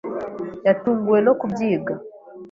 Yatunguwe no kubyiga.